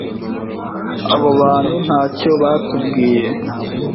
Abo bantu ntacyo batubwiye.